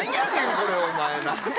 これお前。